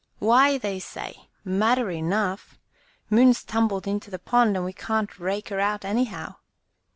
Why," they say, matter enough! Moon's tumbled into the pond, and we can't rake her out anyhow!"